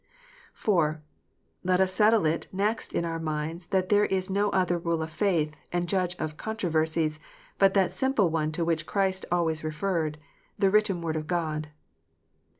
(4) Let us settle it next in our minds that there is no other rule of faith, and judge of controversies, but that simple one to which Christ always referred, the written Word of God.